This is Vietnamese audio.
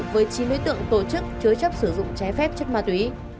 với chín đối tượng tổ chức chứa chấp sử dụng trái phép chất ma túy